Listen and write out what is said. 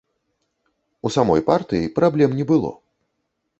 У самой партыі праблем не было.